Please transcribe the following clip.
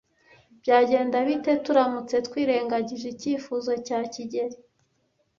Byagenda bite turamutse twirengagije icyifuzo cya kigeli?